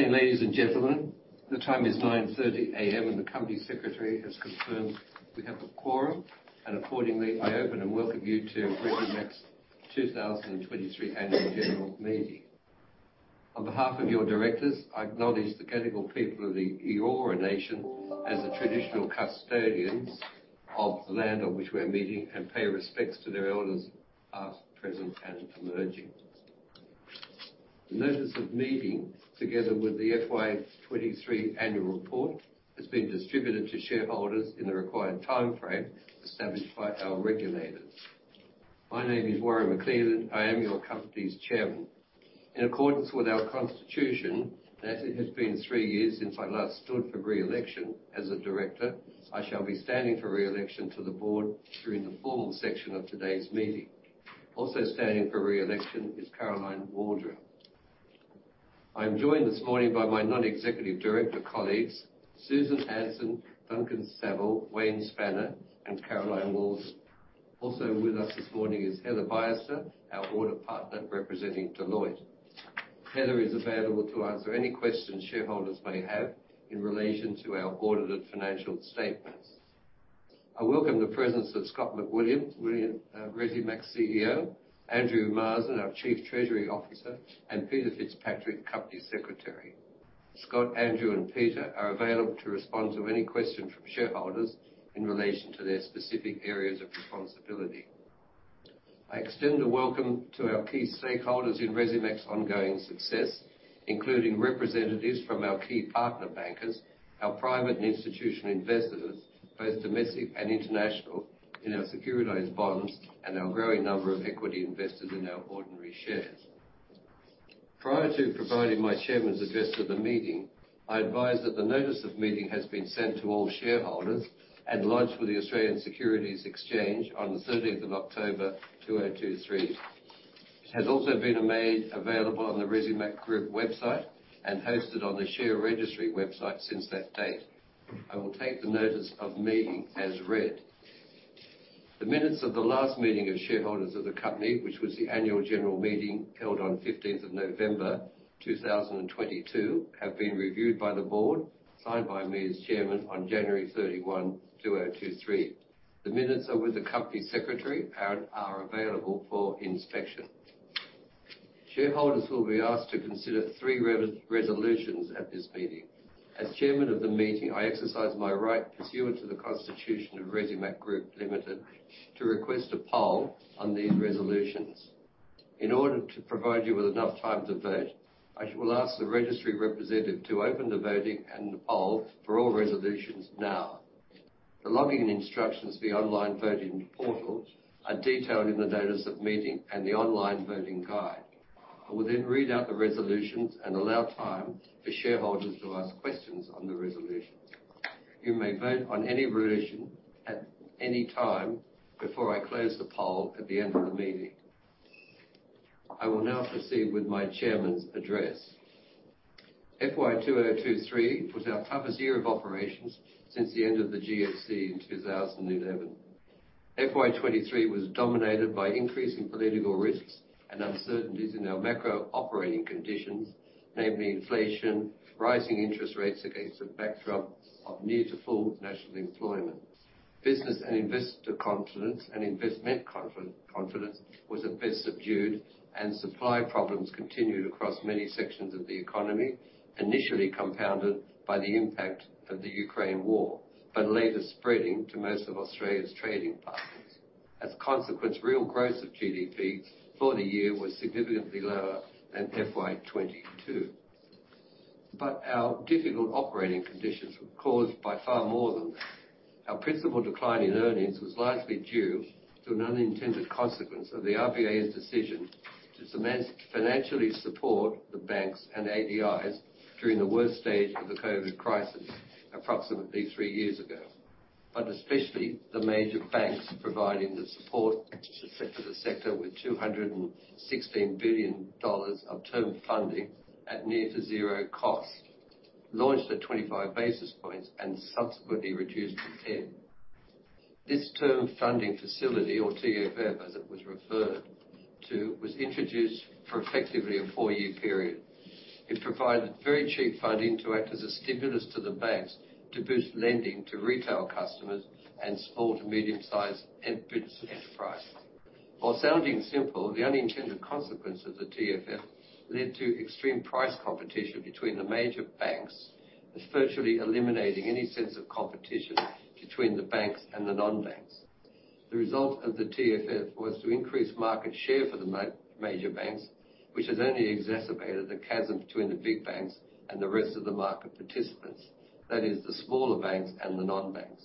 Good morning, ladies and gentlemen. The time is 9:30 A.M., and the Company Secretary has confirmed we have a quorum, and accordingly, I open and welcome you to Resimac's 2023 annual general meeting. On behalf of your directors, I acknowledge the Gadigal people of the Eora Nation as the traditional custodians of the land on which we're meeting, and pay respects to their elders, past, present, and emerging. The notice of meeting, together with the FY 2023 annual report, has been distributed to shareholders in the required timeframe established by our regulators. My name is Warren McLeland. I am your company's Chairman. In accordance with our constitution, as it has been three years since I last stood for re-election as a director, I shall be standing for re-election to the board during the formal section of today's meeting. Also standing for re-election is Caroline Waldron. I'm joined this morning by my non-executive director colleagues, Susan Hansen, Duncan Saville, Wayne Spanner, and Caroline Waldron. Also with us this morning is Heather Baister, our audit partner, representing Deloitte. Heather is available to answer any questions shareholders may have in relation to our audited financial statements. I welcome the presence of Scott McWilliam, Resimac's CEO, Andrew Marsden, our Chief Treasury Officer, and Peter Fitzpatrick, Company Secretary. Scott, Andrew, and Peter are available to respond to any questions from shareholders in relation to their specific areas of responsibility. I extend a welcome to our key stakeholders in Resimac's ongoing success, including representatives from our key partner bankers, our private and institutional investors, both domestic and international, in our securitized bonds, and our growing number of equity investors in our ordinary shares. Prior to providing my Chairman's address to the meeting, I advise that the notice of meeting has been sent to all shareholders and lodged with the Australian Securities Exchange on the 13th of October, 2023. It has also been made available on the Resimac Group website and hosted on the share registry website since that date. I will take the notice of meeting as read. The minutes of the last meeting of shareholders of the company, which was the annual general meeting held on the 15th of November, 2022, have been reviewed by the board, signed by me as chairman on January 31, 2023. The minutes are with the Company Secretary and are available for inspection. Shareholders will be asked to consider three resolutions at this meeting. As chairman of the meeting, I exercise my right pursuant to the Constitution of Resimac Group Limited to request a poll on these resolutions. In order to provide you with enough time to vote, I will ask the registry representative to open the voting and the poll for all resolutions now. The login instructions for the online voting portal are detailed in the notice of meeting and the online voting guide. I will then read out the resolutions and allow time for shareholders to ask questions on the resolutions. You may vote on any resolution at any time before I close the poll at the end of the meeting. I will now proceed with my Chairman's address. FY 2023 was our toughest year of operations since the end of the GFC in 2011. FY 2023 was dominated by increasing political risks and uncertainties in our macro operating conditions, namely inflation, rising interest rates against the backdrop of near to full national employment. Business and investor confidence and investment confidence was a bit subdued, and supply problems continued across many sections of the economy, initially compounded by the impact of the Ukraine War, but later spreading to most of Australia's trading partners. As a consequence, real growth of GDP for the year was significantly lower than FY 2022. But our difficult operating conditions were caused by far more than that. Our principal decline in earnings was largely due to an unintended consequence of the RBA's decision to financially support the banks and ADIs during the worst stage of the COVID crisis, approximately 3 years ago. But especially the major banks, providing the support to the sector, with 216 billion dollars of term funding at near to zero cost, launched at 25 basis points and subsequently reduced to 10. This Term Funding Facility, or TFF, as it was referred to, was introduced for effectively a four-year period. It provided very cheap funding to act as a stimulus to the banks to boost lending to retail customers and small to medium-sized enterprise. While sounding simple, the unintended consequence of the TFF led to extreme price competition between the major banks, essentially eliminating any sense of competition between the banks and the non-banks. The result of the TFF was to increase market share for the major banks, which has only exacerbated the chasm between the big banks and the rest of the market participants, that is, the smaller banks and the non-banks.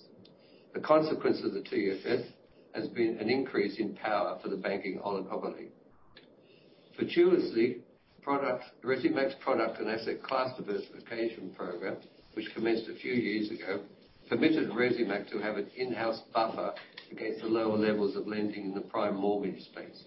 The consequence of the TFF has been an increase in power for the banking oligopoly. Fortuitously, Resimac's product and asset class diversification program, which commenced a few years ago, permitted Resimac to have an in-house buffer against the lower levels of lending in the prime mortgage space.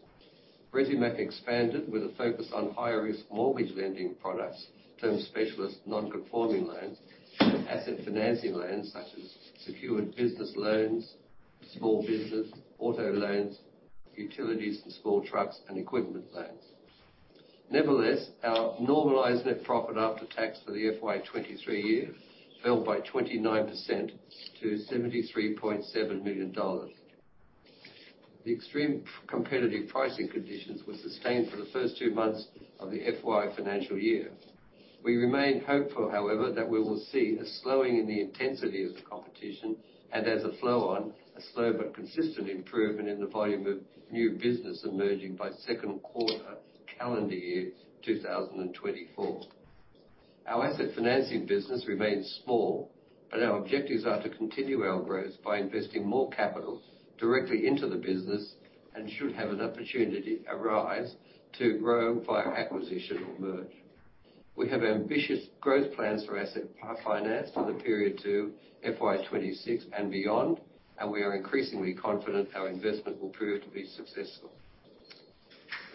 Resimac expanded with a focus on higher-risk mortgage lending products, term specialist, non-conforming loans, asset financing loans such as secured business loans, small business, auto loans, utilities, and small trucks and equipment loans. Nevertheless, our normalized net profit after tax for the FY 2023 year fell by 29% to AUD 73.7 million. The extreme competitive pricing conditions were sustained for the first two months of the FY financial year. We remain hopeful, however, that we will see a slowing in the intensity of the competition, and as a flow on, a slow but consistent improvement in the volume of new business emerging by second quarter, calendar year 2024. Our asset financing business remains small, but our objectives are to continue our growth by investing more capital directly into the business, and should have an opportunity arise, to grow via acquisition or merge. We have ambitious growth plans for asset finance for the period to FY 2026 and beyond, and we are increasingly confident our investment will prove to be successful.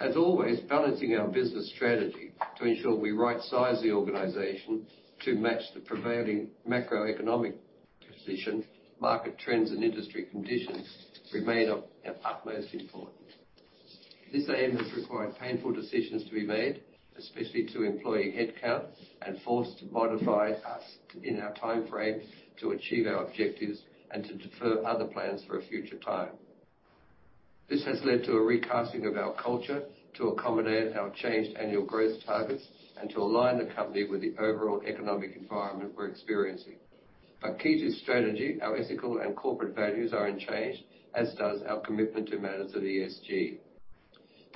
As always, balancing our business strategy to ensure we right-size the organization to match the prevailing macroeconomic position, market trends, and industry conditions remain of our utmost importance. This aim has required painful decisions to be made, especially to employee headcount, and forced to modify us in our time frame to achieve our objectives and to defer other plans for a future time. This has led to a recasting of our culture to accommodate our changed annual growth targets and to align the company with the overall economic environment we're experiencing. But key to strategy, our ethical and corporate values are unchanged, as does our commitment to matters of ESG.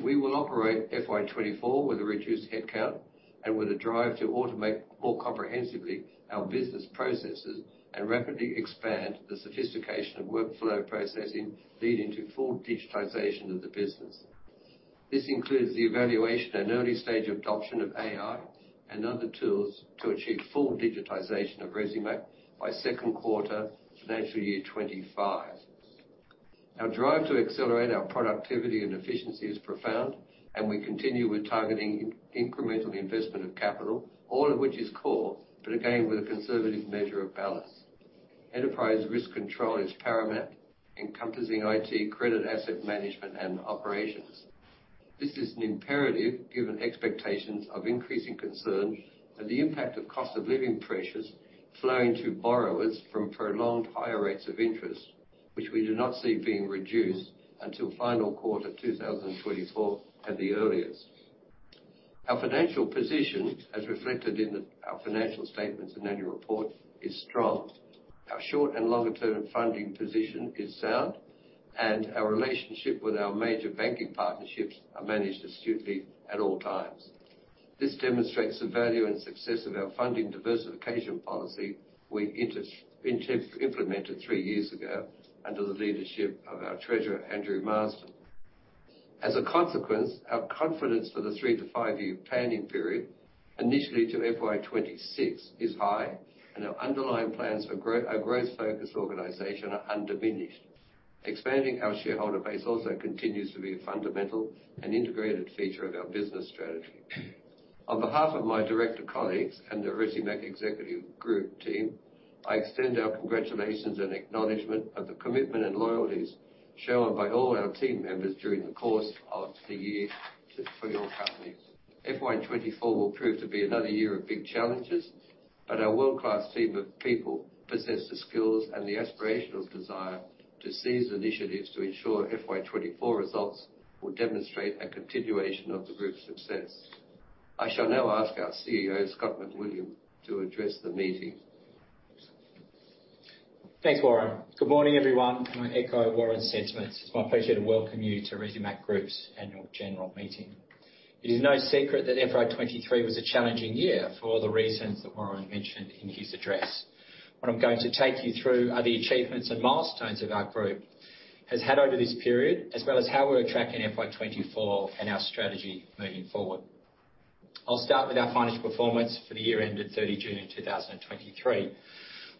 We will operate FY 2024 with a reduced headcount and with a drive to automate more comprehensively our business processes and rapidly expand the sophistication of workflow processing, leading to full digitization of the business. This includes the evaluation and early stage adoption of AI and other tools to achieve full digitization of Resimac by second quarter, financial year 2025. Our drive to accelerate our productivity and efficiency is profound, and we continue with targeting incremental investment of capital, all of which is core, but again, with a conservative measure of balance. Enterprise risk control is paramount, encompassing IT, credit, asset management, and operations. This is an imperative given expectations of increasing concern and the impact of cost of living pressures flowing to borrowers from prolonged higher rates of interest, which we do not see being reduced until final quarter 2024 at the earliest. Our financial position, as reflected in our financial statements and annual report, is strong. Our short and longer term funding position is sound, and our relationship with our major banking partnerships are managed astutely at all times. This demonstrates the value and success of our funding diversification policy we implemented three years ago under the leadership of our treasurer, Andrew Marsden. As a consequence, our confidence for the three-to-five-year planning period, initially to FY 2026, is high, and our underlying plans for a growth-focused organization are undiminished. Expanding our shareholder base also continues to be a fundamental and integrated feature of our business strategy. On behalf of my director colleagues and the Resimac executive group team, I extend our congratulations and acknowledgment of the commitment and loyalties shown by all our team members during the course of the year for your company. FY 2024 will prove to be another year of big challenges, but our world-class team of people possess the skills and the aspirational desire to seize initiatives to ensure FY 2024 results will demonstrate a continuation of the group's success. I shall now ask our CEO, Scott McWilliam, to address the meeting. Thanks, Warren. Good morning, everyone. I echo Warren's sentiments. It's my pleasure to welcome you to Resimac Group's Annual General Meeting. It is no secret that FY 2023 was a challenging year for all the reasons that Warren mentioned in his address. What I'm going to take you through are the achievements and milestones of our group, has had over this period, as well as how we're tracking FY 2024 and our strategy moving forward. I'll start with our financial performance for the year ended 30 June 2023.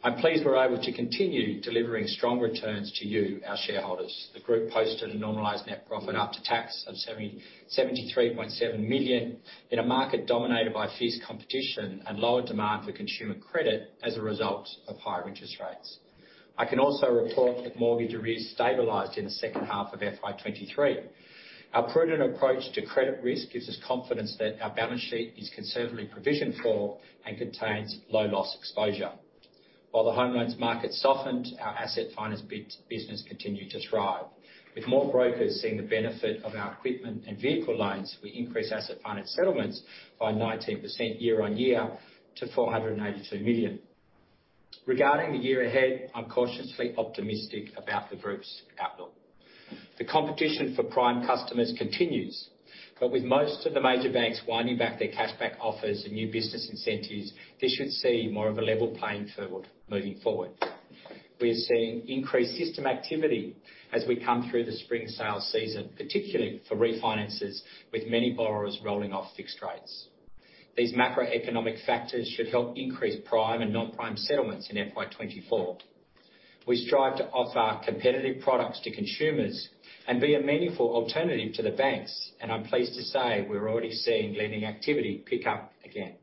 I'm pleased we're able to continue delivering strong returns to you, our shareholders. The group posted a normalized net profit after tax of 73.7 million in a market dominated by fierce competition and lower demand for consumer credit as a result of higher interest rates. I can also report that mortgage arrears stabilized in the second half of FY 2023. Our prudent approach to credit risk gives us confidence that our balance sheet is conservatively provisioned for and contains low loss exposure. While the home loans market softened, our Asset Finance business continued to thrive. With more brokers seeing the benefit of our equipment and vehicle loans, we increased asset finance settlements by 19% year-on-year to 482 million. Regarding the year ahead, I'm cautiously optimistic about the group's outlook. The competition for prime customers continues, but with most of the major banks winding back their cashback offers and new business incentives, this should see more of a level playing field moving forward. We are seeing increased system activity as we come through the spring sales season, particularly for refinances, with many borrowers rolling off fixed rates. These macroeconomic factors should help increase prime and non-prime settlements in FY 2024. We strive to offer competitive products to consumers and be a meaningful alternative to the banks, and I'm pleased to say we're already seeing lending activity pick up again.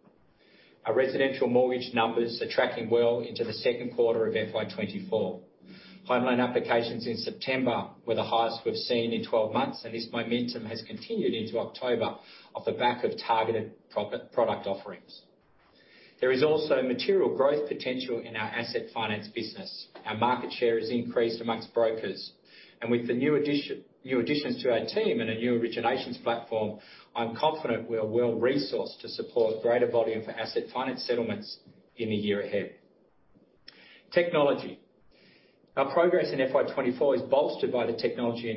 Our residential mortgage numbers are tracking well into the second quarter of FY 2024. Home loan applications in September were the highest we've seen in 12 months, and this momentum has continued into October off the back of targeted product offerings. There is also material growth potential in our Asset Finance business. Our market share has increased amongst brokers, and with the new addition, new additions to our team and a new originations platform, I'm confident we are well-resourced to support greater volume for asset finance settlements in the year ahead. Technology. Our progress in FY 2024 is bolstered by the technology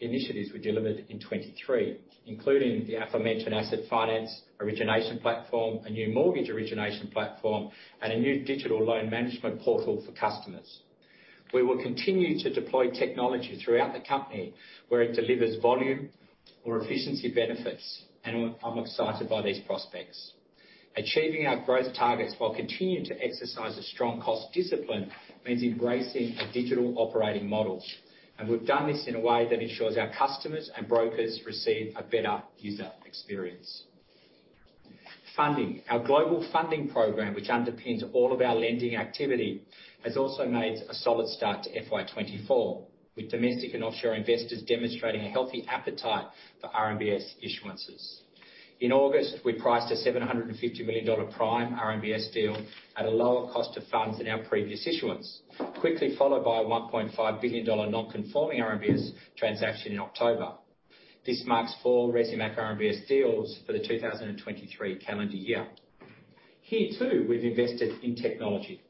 initiatives we delivered in 2023, including the aforementioned Asset Finance origination platform, a new mortgage origination platform, and a new digital loan management portal for customers. We will continue to deploy technology throughout the company where it delivers volume or efficiency benefits, and I'm excited by these prospects. Achieving our growth targets while continuing to exercise a strong cost discipline means embracing a digital operating model, and we've done this in a way that ensures our customers and brokers receive a better user experience. Funding. Our global funding program, which underpins all of our lending activity, has also made a solid start to FY 2024, with domestic and offshore investors demonstrating a healthy appetite for RMBS issuances. In August, we priced a 750 million dollar prime RMBS deal at a lower cost of funds than our previous issuance, quickly followed by a 1.5 billion dollar non-conforming RMBS transaction in October. This marks four Resimac RMBS deals for the 2023 calendar year. Here, too, we've invested in technology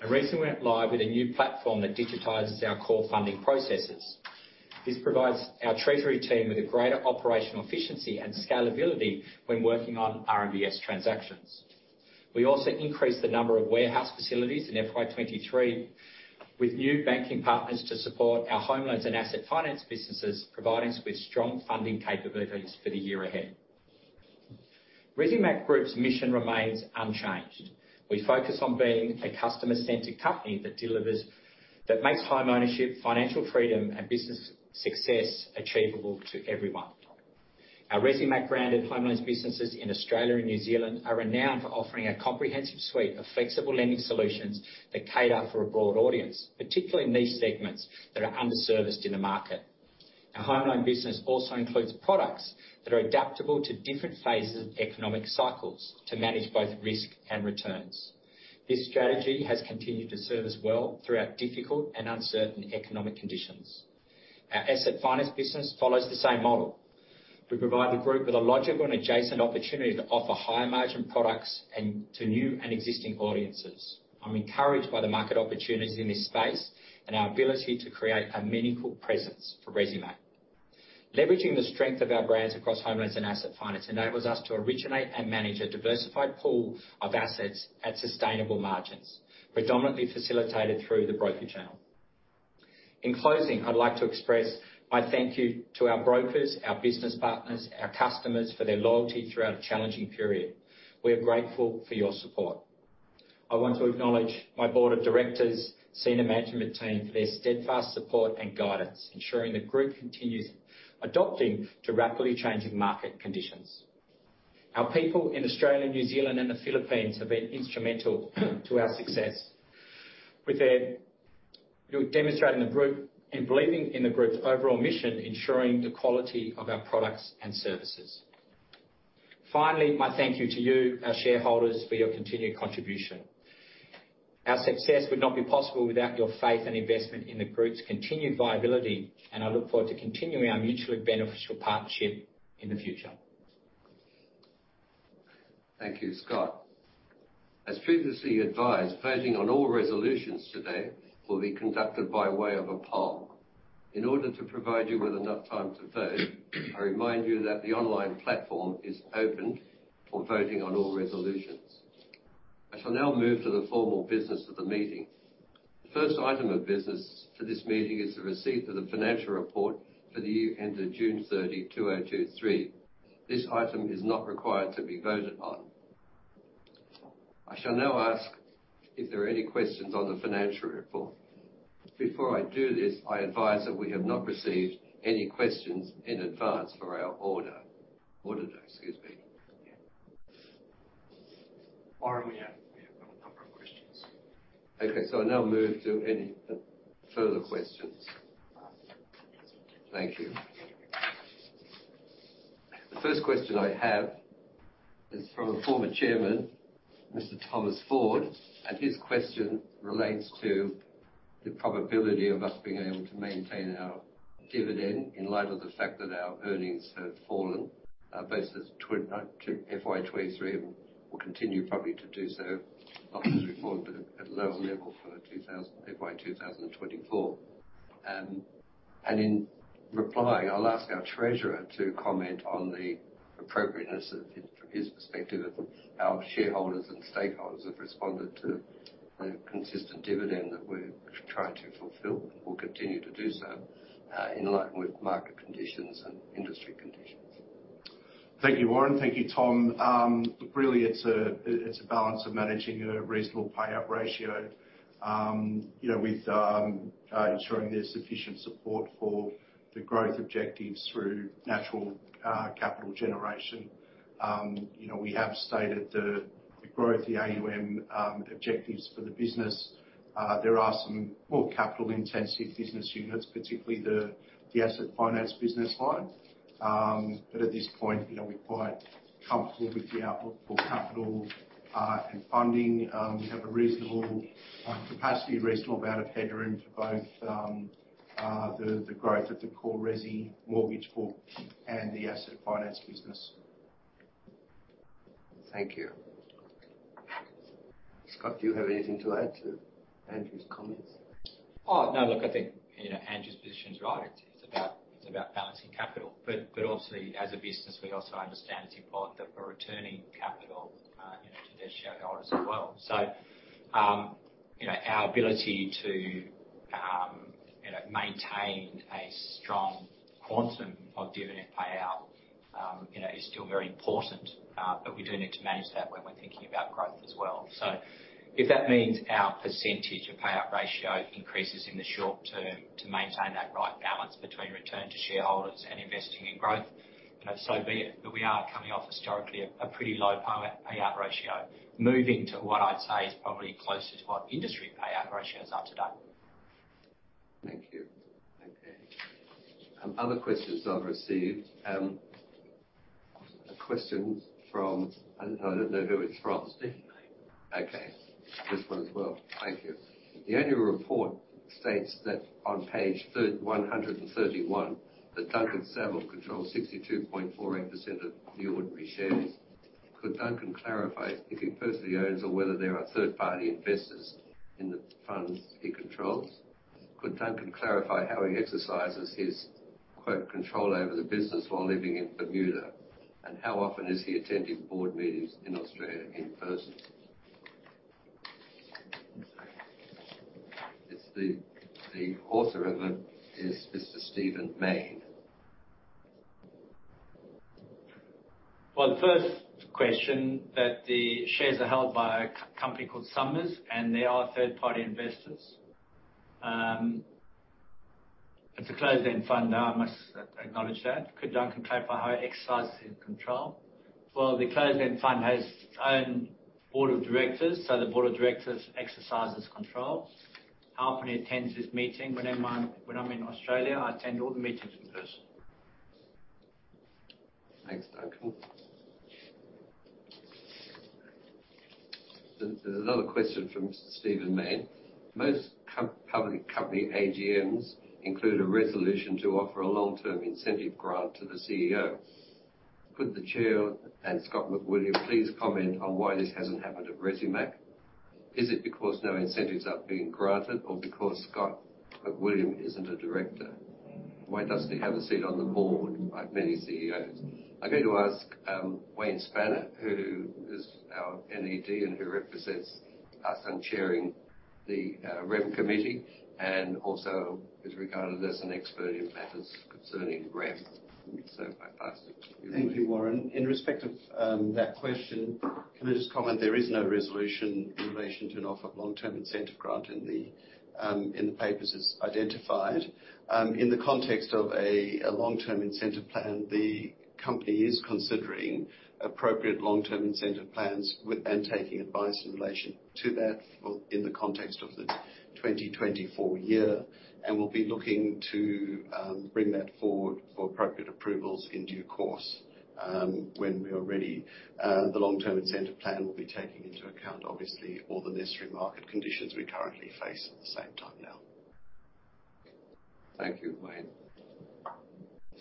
and recently went live with a new platform that digitizes our core funding processes. This provides our treasury team with a greater operational efficiency and scalability when working on RMBS transactions. We also increased the number of warehouse facilities in FY 2023 with new banking partners to support our Home Loans and Asset Finance businesses, providing us with strong funding capabilities for the year ahead. Resimac Group's mission remains unchanged. We focus on being a customer-centric company that delivers, that makes homeownership, financial freedom, and business success achievable to everyone. Our Resimac brand and home loans businesses in Australia and New Zealand are renowned for offering a comprehensive suite of flexible lending solutions that cater for a broad audience, particularly in these segments that are underserviced in the market. Our Home Loan business also includes products that are adaptable to different phases of economic cycles to manage both risk and returns. This strategy has continued to serve us well throughout difficult and uncertain economic conditions. Our Asset Finance business follows the same model. We provide the group with a logical and adjacent opportunity to offer higher margin products and to new and existing audiences. I'm encouraged by the market opportunities in this space and our ability to create a meaningful presence for Resimac. Leveraging the strength of our brands across home loans and asset finance enables us to originate and manage a diversified pool of assets at sustainable margins, predominantly facilitated through the broker channel. In closing, I'd like to express my thank you to our brokers, our business partners, our customers, for their loyalty throughout a challenging period. We are grateful for your support. I want to acknowledge my board of directors, senior management team, for their steadfast support and guidance, ensuring the group continues adapting to rapidly changing market conditions. Our people in Australia, New Zealand, and the Philippines have been instrumental to our success with their demonstrating the group and believing in the group's overall mission, ensuring the quality of our products and services. Finally, my thank you to you, our shareholders, for your continued contribution. Our success would not be possible without your faith and investment in the group's continued viability, and I look forward to continuing our mutually beneficial partnership in the future. Thank you, Scott. As previously advised, voting on all resolutions today will be conducted by way of a poll. In order to provide you with enough time to vote, I remind you that the online platform is open for voting on all resolutions. I shall now move to the formal business of the meeting. The first item of business for this meeting is the receipt of the financial report for the year ended June 30, 2023. This item is not required to be voted on. I shall now ask if there are any questions on the financial report. Before I do this, I advise that we have not received any questions in advance for our auditor today, excuse me. So far, we have got a number of questions. Okay. I'll now move to any further questions. Thank you. The first question I have is from a former chairman, Mr. Thomas Ford, and his question relates to the probability of us being able to maintain our dividend in light of the fact that our earnings have fallen versus FY 2023, and will continue probably to do so, as we fall to a lower level for FY 2024. In reply, I'll ask our treasurer to comment on the appropriateness of, from his perspective, of our shareholders and stakeholders have responded to the consistent dividend that we're trying to fulfill and will continue to do so in line with market conditions and industry conditions. Thank you, Warren. Thank you, Tom. Really, it's a balance of managing a reasonable payout ratio, you know, with ensuring there's sufficient support for the growth objectives through natural capital generation. You know, we have stated the growth, the AUM objectives for the business. There are some more capital-intensive business units, particularly the Asset Finance business line. But at this point, you know, we're quite comfortable with the outlook for capital and funding. We have a reasonable capacity, reasonable amount of headroom for both the growth of the core resi mortgage book and the asset finance business. Thank you. Scott, do you have anything to add to Andrew's comments? Oh, no, look, I think, you know, Andrew's position is right. It's about balancing capital. But obviously, as a business, we also understand it's important that we're returning capital, you know, to their shareholders as well. So, you know, our ability to, you know, maintain a strong quantum of dividend payout, you know, is still very important, but we do need to manage that when we're thinking about growth as well. So if that means our percentage of payout ratio increases in the short term to maintain that right balance between return to shareholders and investing in growth, you know, so be it. But we are coming off historically a pretty low payout ratio, moving to what I'd say is probably closer to what industry payout ratios are today. Thank you. Okay. Other questions I've received, a question from. I don't know who it's from. Steve? Okay, this one as well. Thank you. The annual report states that on Page 131, that Duncan Saville controls 62.48% of the ordinary shares. Could Duncan clarify if he personally owns or whether there are third-party investors in the funds he controls? Could Duncan clarify how he exercises his, quote, "control over the business while living in Bermuda," and how often is he attending board meetings in Australia in person? It's the author of it is Mr. Stephen Mayne. Well, the first question that the shares are held by a company called Somers, and they are third-party investors. It's a closed-end fund, though I must acknowledge that. Could Duncan clarify how he exercises his control? Well, the closed-end fund has its own board of directors, so the board of directors exercises control. How often he attends this meeting? Whenever I'm in Australia, I attend all the meetings in person. Thanks, Duncan. There's another question from Mr. Stephen Mayne. Most public company AGMs include a resolution to offer a long-term incentive grant to the CEO. Could the Chair and Scott McWilliam please comment on why this hasn't happened at Resimac? Is it because no incentives are being granted or because Scott McWilliam isn't a director? Why doesn't he have a seat on the board like many CEOs? I'm going to ask, Wayne Spanner, who is our NED and who represents us on chairing the, Rem Committee, and also is regarded as an expert in matters concerning Rem. So I pass it to you. Thank you, Warren. In respect of that question, can I just comment there is no resolution in relation to an offer of long-term incentive grant in the in the papers as identified. In the context of a a long-term incentive plan, the company is considering appropriate long-term incentive plans with and taking advice in relation to that, well, in the context of the 2024 year, and we'll be looking to bring that forward for appropriate approvals in due course when we are ready. The long-term incentive plan will be taking into account, obviously, all the necessary market conditions we currently face at the same time now. Thank you, Wayne.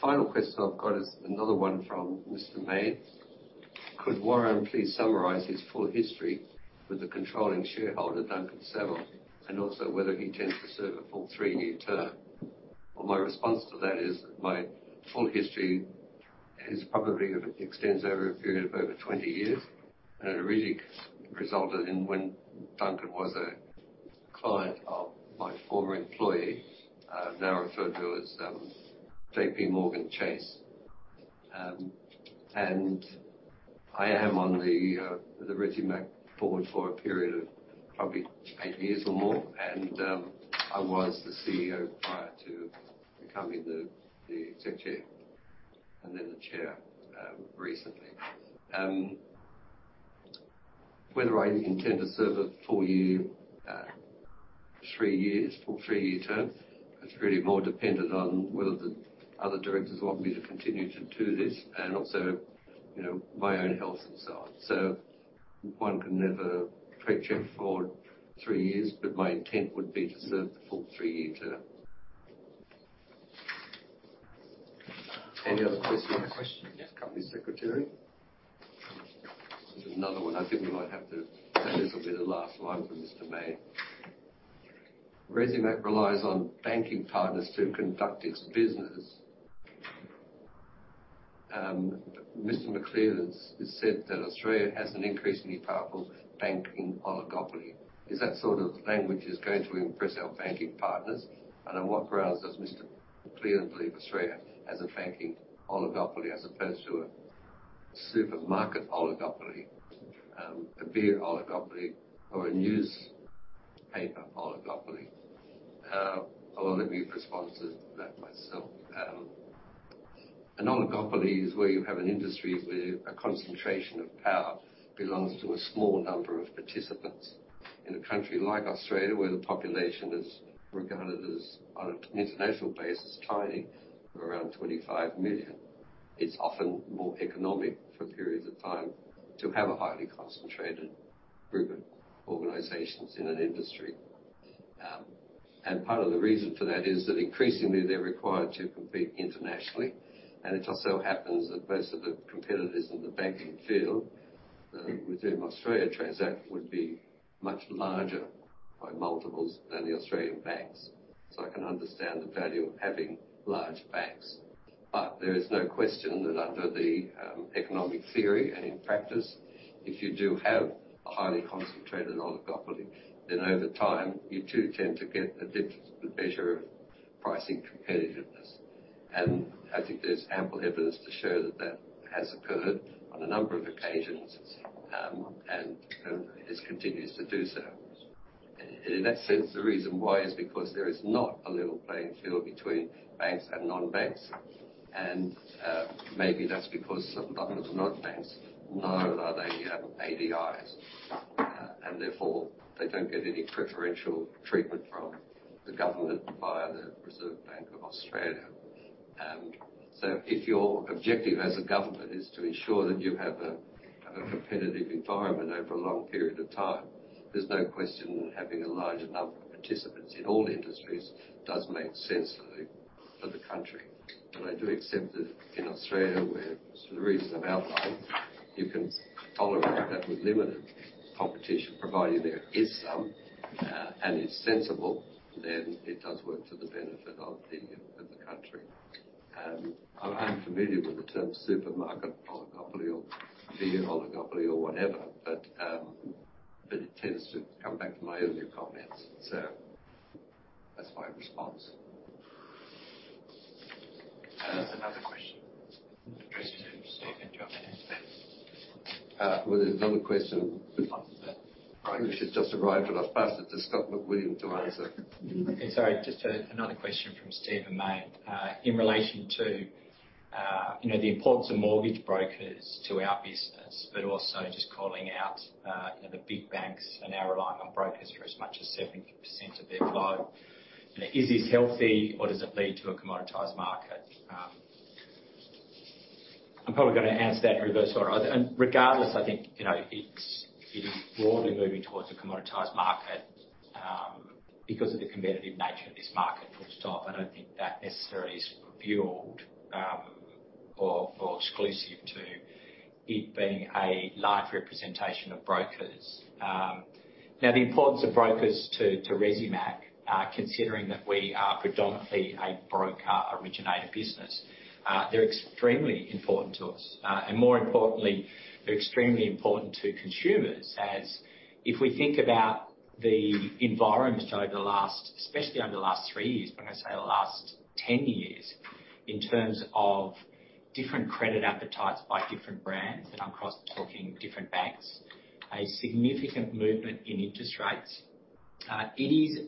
Final question I've got is another one from Mr. Mayne. Could Warren please summarize his full history with the controlling shareholder, Duncan Saville, and also whether he intends to serve a full three-year term? Well, my response to that is, my full history is probably extends over a period of over 20 years, and it really resulted in when Duncan was a client of my former employer, now referred to as JPMorganChase. And I am on the Resimac board for a period of probably eight years or more, and I was the CEO prior to becoming the Exec Chair and then the Chair, recently. Whether I intend to serve a full year, three years, full three-year term, it's really more dependent on whether the other directors want me to continue to do this, and also, you know, my own health and so on. So one can never predict it for three years, but my intent would be to serve the full three-year term. Any other questions? Question. Company secretary. Another one. I think we might have to. That this will be the last one from Mr. Mayne. Resimac relies on banking partners to conduct its business. Mr. McLeland has said that Australia has an increasingly powerful banking oligopoly. Is that sort of language is going to impress our banking partners? And on what grounds does Mr. McLeland believe Australia has a banking oligopoly as opposed to a supermarket oligopoly, a beer oligopoly, or a newspaper oligopoly? Well, let me respond to that myself. An oligopoly is where you have an industry where a concentration of power belongs to a small number of participants. In a country like Australia, where the population is regarded as, on an international basis, tiny, around 25 million, it's often more economic for periods of time to have a highly concentrated group of organizations in an industry. Part of the reason for that is that increasingly they're required to compete internationally. It just so happens that most of the competitors in the banking field, within Australia transact, would be much larger by multiples than the Australian banks. I can understand the value of having large banks. But there is no question that under the economic theory and in practice, if you do have a highly concentrated oligopoly, then over time, you do tend to get a diminution of pricing competitiveness. I think there's ample evidence to show that that has occurred on a number of occasions, and it continues to do so. In that sense, the reason why is because there is not a level playing field between banks and non-banks. Maybe that's because a lot of the non-banks nor are they ADIs, and therefore they don't get any preferential treatment from the government via the Reserve Bank of Australia. So if your objective as a government is to ensure that you have a competitive environment over a long period of time, there's no question that having a larger number of participants in all industries does make sense for the country. But I do accept that in Australia, where for the reasons I've outlined, you can tolerate that with limited competition, provided there is some, and it's sensible, then it does work to the benefit of the country. I'm unfamiliar with the term supermarket oligopoly or beer oligopoly or whatever, but it tends to come back to my earlier comments. So that's my response. There's another question addressed to Steve and John. Well, there's another question which has just arrived, but I'll pass it to Scott McWilliam to answer. Sorry, just another question from Stephen Mayne. In relation to, you know, the importance of mortgage brokers to our business, but also just calling out, you know, the big banks and our reliance on brokers for as much as 70% of their flow. You know, is this healthy or does it lead to a commoditized market? I'm probably going to answer that in reverse order. And regardless, I think, you know, it's, it is broadly moving towards a commoditized market, because of the competitive nature of this market, which, I don't think that necessarily is fueled, or, or exclusive to it being a large representation of brokers. Now, the importance of brokers to, to Resimac, considering that we are predominantly a broker originator business, they're extremely important to us. And more importantly, they're extremely important to consumers as if we think about the environment over the last, especially over the last three years, when I say the last 10 years, in terms of different credit appetites by different brands, and I'm cross-talking different banks, a significant movement in interest rates. It is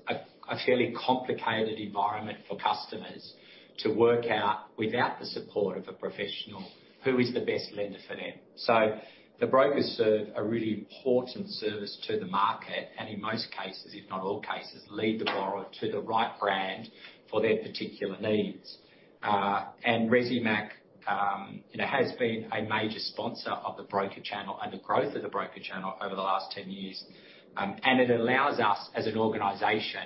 a fairly complicated environment for customers to work out, without the support of a professional, who is the best lender for them. So the brokers serve a really important service to the market and in most cases, if not all cases, lead the borrower to the right brand for their particular needs. And Resimac, you know, has been a major sponsor of the broker channel and the growth of the broker channel over the last 10 years. And it allows us, as an organization,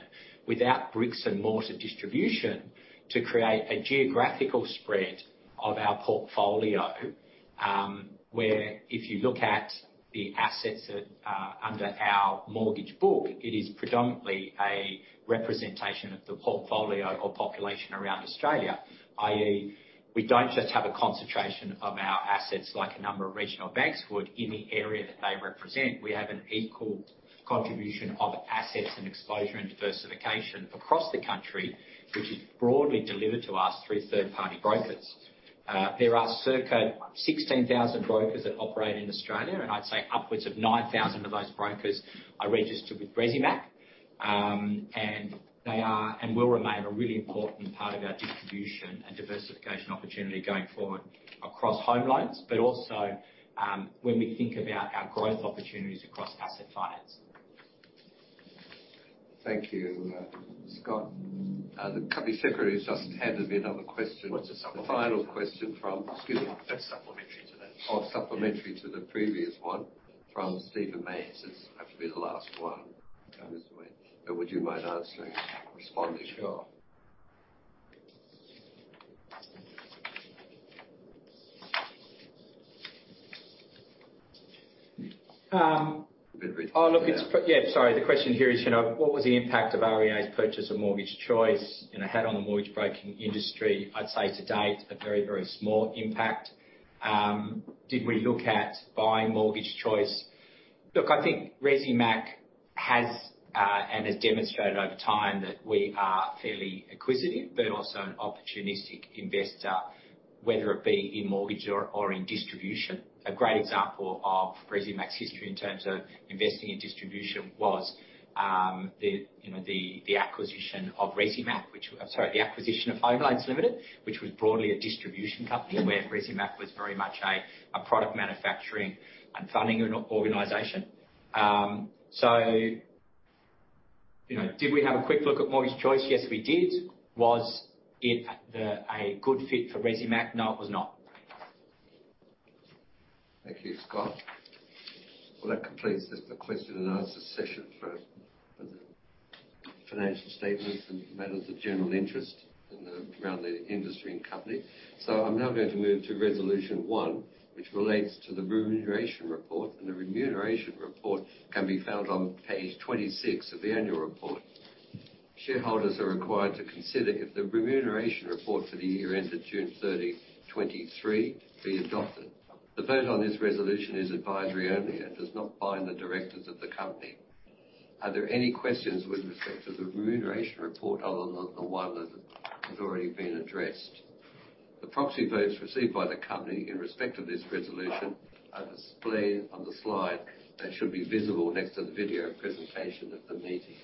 without bricks-and-mortar distribution, to create a geographical spread of our portfolio, where if you look at the assets that are under our mortgage book, it is predominantly a representation of the portfolio or population around Australia. i.e., we don't just have a concentration of our assets like a number of regional banks would in the area that they represent. We have an equal contribution of assets and exposure and diversification across the country, which is broadly delivered to us through third-party brokers. There are circa 16,000 brokers that operate in Australia, and I'd say upwards of 9,000 of those brokers are registered with Resimac. They are and will remain a really important part of our distribution and diversification opportunity going forward across Home Loans, but also, when we think about our growth opportunities across Asset Finance. Thank you, Scott. The company secretary has just handed me another question. Well, it's a supplementary. The final question from... Excuse me. That's supplementary to that. Oh, supplementary to the previous one from Stephen Mayne. This has to be the last one, and would you mind answering, responding? Sure. The question here is, you know, what was the impact of REA's purchase of Mortgage Choice, and it had on the mortgage broking industry? I'd say to date, a very, very small impact. Did we look at buying Mortgage Choice? Look, I think Resimac has and has demonstrated over time that we are fairly acquisitive, but also an opportunistic investor, whether it be in mortgage or in distribution. A great example of Resimac's history in terms of investing in distribution was the acquisition of Resimac, which, I'm sorry, the acquisition of Homeloans Limited, which was broadly a distribution company, where Resimac was very much a product manufacturing and funding organization. So, you know, did we have a quick look at Mortgage Choice? Yes, we did. Was it a good fit for Resimac? No, it was not. Thank you, Scott. Well, that completes the question-and-answer session for the financial statements and matters of general interest in and around the industry and company. So I'm now going to move to Resolution 1, which relates to the Remuneration Report, and the Remuneration Report can be found on Page 26 of the Annual Report. Shareholders are required to consider if the Remuneration Report for the year ended June 30, 2023 be adopted. The vote on this resolution is advisory only and does not bind the directors of the company. Are there any questions with respect to the remuneration report other than the one that has already been addressed? The proxy votes received by the company in respect of this resolution are displayed on the slide, and should be visible next to the video presentation of the meeting.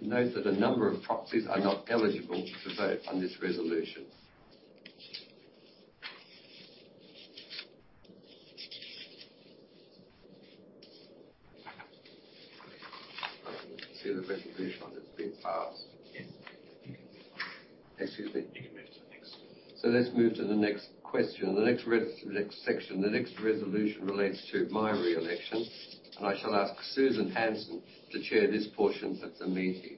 Note that a number of proxies are not eligible to vote on this resolution. See the resolution on. It's been passed. Yes. Excuse me? You can move to the next. So let's move to the next question. The next section. The next resolution relates to my re-election, and I shall ask Susan Hansen to chair this portion of the meeting.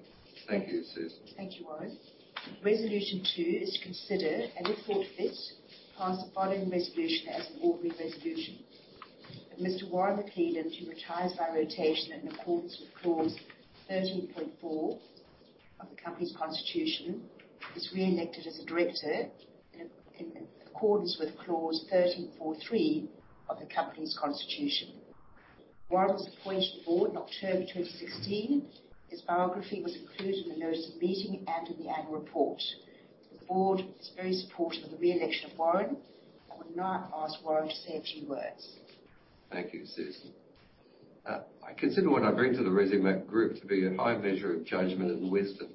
Thank you, Susan. Thank you, Warren. Resolution 2 is to consider, and if thought fit, pass the following resolution as an ordinary resolution. That Mr. Warren McLeland, who retires by rotation in accordance with clause 13.4 of the company's constitution, is re-elected as a director in accordance with clause 13.4.3 of the company's constitution. Warren was appointed to the board in October 2016. His biography was included in the notice of meeting and in the annual report. The board is very supportive of the re-election of Warren. I would now ask Warren to say a few words. Thank you, Susan. I consider what I bring to the Resimac Group to be a high measure of judgment and wisdom,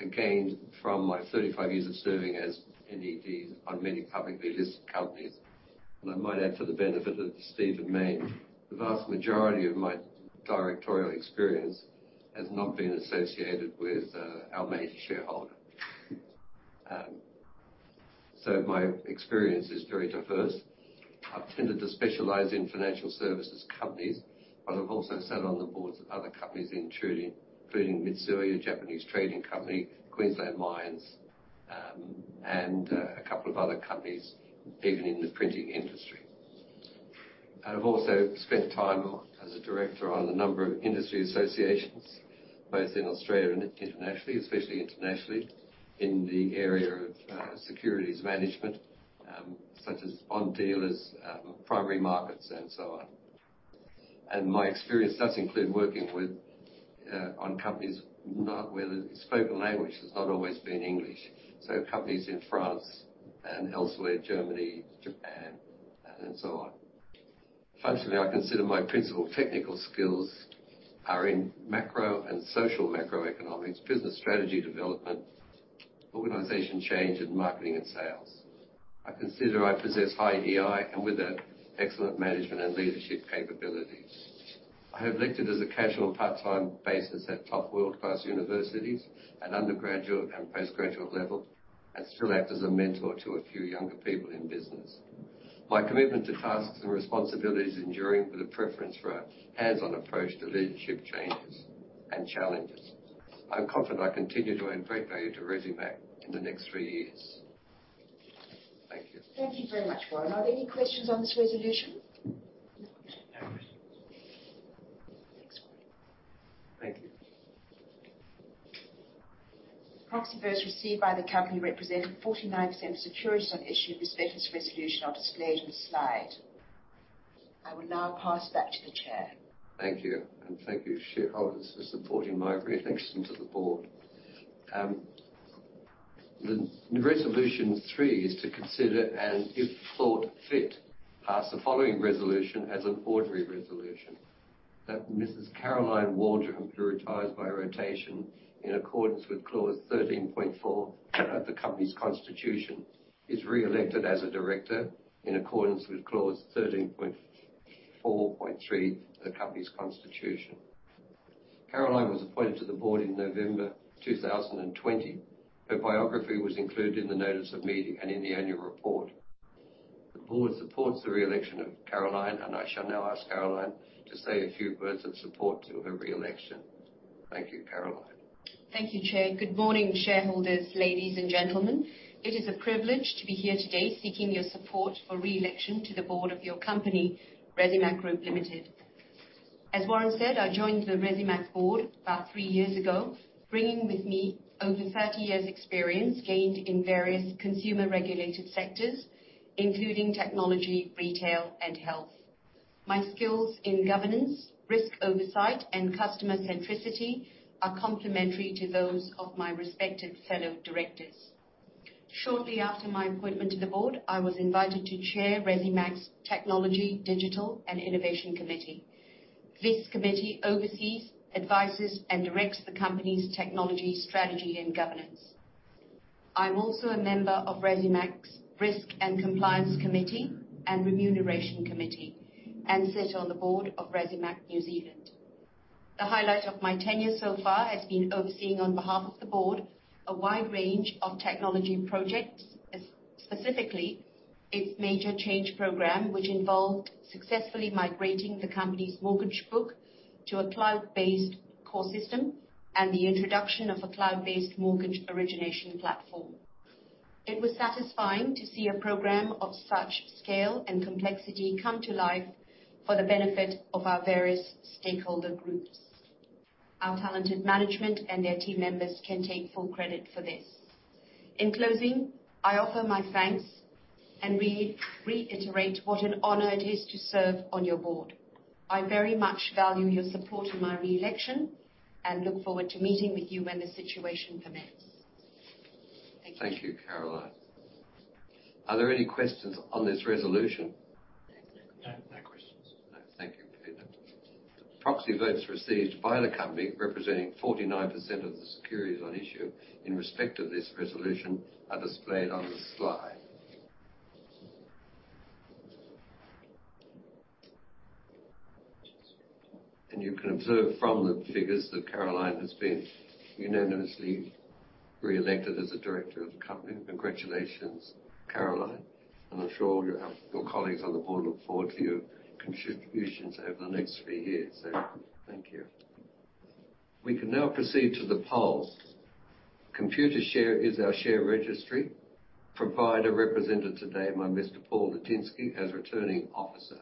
and gained from my 35 years of serving as NED on many publicly listed companies. I might add, for the benefit of Steve and me, the vast majority of my directorial experience has not been associated with our major shareholder. My experience is very diverse. I've tended to specialize in financial services companies, but I've also sat on the boards of other companies, including Mitsui, a Japanese trading company, Queensland Mines, and a couple of other companies, even in the printing industry. I've also spent time as a director on a number of industry associations, both in Australia and internationally. Especially internationally, in the area of securities management, such as bond dealers, primary markets, and so on. And my experience does include working with, on companies, not where the spoken language has not always been English, so companies in France and elsewhere, Germany, Japan, and so on. Functionally, I consider my principal technical skills are in macro and social macroeconomics, business strategy development, organization change, and marketing and sales. I consider I possess high EI, and with that, excellent management and leadership capabilities. I have lectured as a casual part-time basis at top world-class universities, at undergraduate and postgraduate level, and still act as a mentor to a few younger people in business. My commitment to tasks and responsibilities enduring with a preference for a hands-on approach to leadership changes and challenges. I'm confident I continue to add great value to Resimac in the next three years. Thank you. Thank you very much, Warren. Are there any questions on this resolution? No questions. Thanks, Warren. Thank you. Proxy votes received by the company representing 49% of the securities on issue of this latest resolution are displayed on the slide. I will now pass back to the Chair. Thank you, and thank you, shareholders, for supporting my re-election to the board. The Resolution 3 is to consider, and if thought fit, pass the following resolution as an ordinary resolution: That Mrs. Caroline Waldron, who retires by rotation in accordance with clause 13.4 of the company's constitution, is re-elected as a director in accordance with clause 13.4.3 of the company's constitution. Caroline was appointed to the board in November 2020. Her biography was included in the notice of meeting and in the annual report. The board supports the re-election of Caroline, and I shall now ask Caroline to say a few words of support to her re-election. Thank you, Caroline. Thank you, Chair. Good morning, shareholders, ladies and gentlemen. It is a privilege to be here today seeking your support for re-election to the board of your company, Resimac Group Limited. As Warren said, I joined the Resimac board about three years ago, bringing with me over 30 years experience gained in various consumer regulated sectors, including technology, retail, and health. My skills in governance, risk oversight, and customer centricity are complementary to those of my respected fellow directors. Shortly after my appointment to the board, I was invited to chair Resimac's Technology, Digital and Innovation Committee. This committee oversees, advises, and directs the company's technology, strategy, and governance. I'm also a member of Resimac's Risk and Compliance Committee and Remuneration Committee, and sit on the board of Resimac New Zealand. The highlight of my tenure so far has been overseeing, on behalf of the board, a wide range of technology projects, as specifically its major change program, which involved successfully migrating the company's mortgage book to a cloud-based core system and the introduction of a cloud-based mortgage origination platform. It was satisfying to see a program of such scale and complexity come to life for the benefit of our various stakeholder groups. Our talented management and their team members can take full credit for this. In closing, I offer my thanks, and we reiterate what an honor it is to serve on your board. I very much value your support in my re-election and look forward to meeting with you when the situation permits. Thank you. Thank you, Caroline. Are there any questions on this resolution? No, no questions. Thank you, Peter. Proxy votes received by the company, representing 49% of the securities on issue in respect of this resolution, are displayed on the slide. You can observe from the figures that Caroline has been unanimously reelected as a director of the company. Congratulations, Caroline, and I'm sure your, your colleagues on the board look forward to your contributions over the next three years. Thank you. We can now proceed to the polls. Computershare is our share registry provider, represented today by Mr. Paul Laczynski as Returning Officer.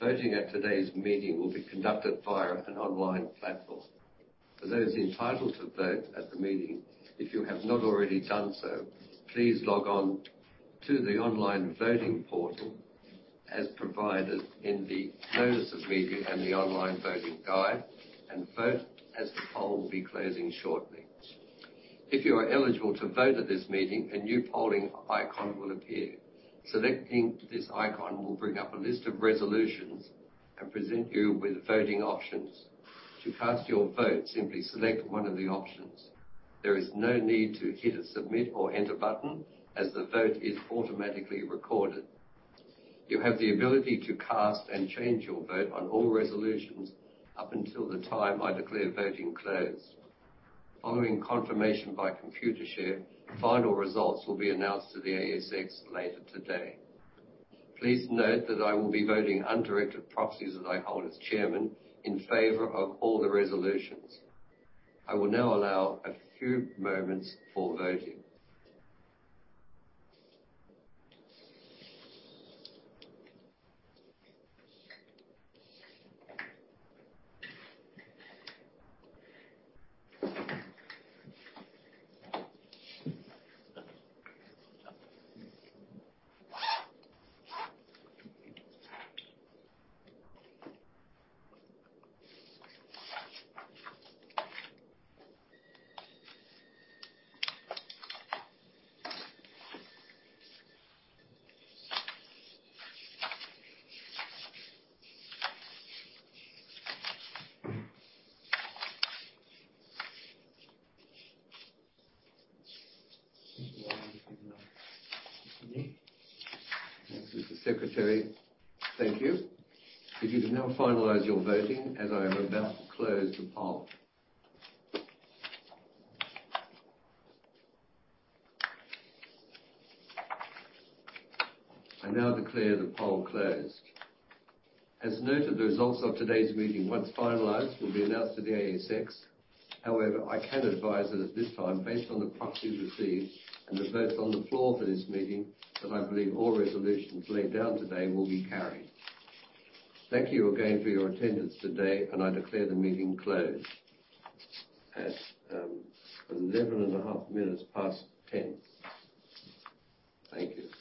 Voting at today's meeting will be conducted via an online platform. For those entitled to vote at the meeting, if you have not already done so, please log on to the online voting portal as provided in the Notice of Meeting and the online voting guide, and vote as the poll will be closing shortly. If you are eligible to vote at this meeting, a new polling icon will appear. Selecting this icon will bring up a list of resolutions and present you with voting options. To cast your vote, simply select one of the options. There is no need to hit a Submit or Enter button as the vote is automatically recorded. You have the ability to cast and change your vote on all resolutions up until the time I declare voting closed. Following confirmation by Computershare, final results will be announced to the ASX later today. Please note that I will be voting undirected proxies that I hold as Chairman in favor of all the resolutions. I will now allow a few moments for voting. Thanks to the secretary. Thank you. You can now finalize your voting as I am about to close the poll. I now declare the poll closed. As noted, the results of today's meeting, once finalized, will be announced to the ASX. However, I can advise that at this time, based on the proxies received and the votes on the floor for this meeting, that I believe all resolutions laid down today will be carried. Thank you again for your attendance today, and I declare the meeting closed at 10:11:30 A.M. Thank you.